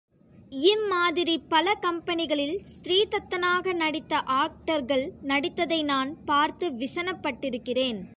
இம்மாதிரிப் பல கம்பெனிகளில் ஸ்ரீதத்தனாக நடித்த ஆக்டர்கள் நடித்ததை நான் பார்த்து விசனப்பட்டிருக்கிறேன்.